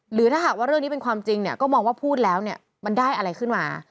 หรือถ้าหากว่าเรื่องนี้เป็นความจริงเนี่ยก็มองว่าพูดแล้วเนี่ยมันได้อะไรขึ้นมา